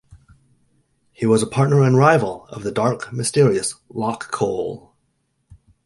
He was a partner and rival of the dark, mysterious Locke Cole.